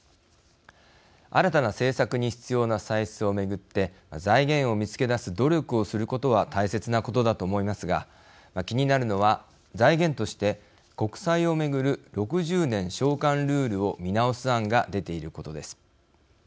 新たな政策に必要な歳出を巡って財源を見つけ出す努力をすることは大切なことだと思いますが気になるのは、財源として国債を巡る６０年償還ルールを見直す案が出ていることです。